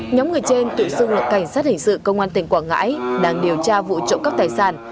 nhóm người trên tự xưng là cảnh sát hình sự công an tỉnh quảng ngãi đang điều tra vụ trộm cắp tài sản